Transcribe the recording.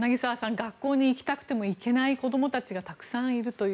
学校に行きたくても行けない子供たちがたくさんいるという。